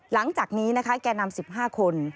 หลังจากนี้แกนนำ๑๕คน